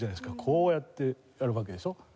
こうやってやるわけでしょ？